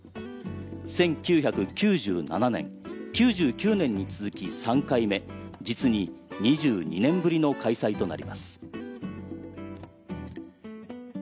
１９９７年、１９９９年に続き３回目、実に２２年ぶりの開催となります。